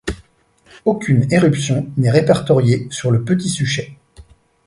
Aucune éruption n'est répertoriée sur le Petit Suchet.